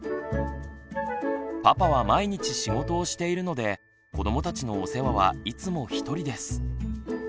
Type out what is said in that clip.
パパは毎日仕事をしているので子どもたちのお世話はいつも一人です。